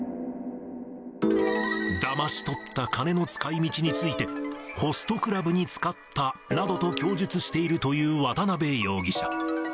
だまし取った金の使いみちについて、ホストクラブに使ったなどと供述しているという渡辺容疑者。